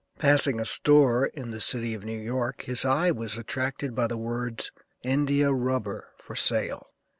Passing a store in the city of New York, his eye was attracted by the words "INDIA RUBBER FOR SALE."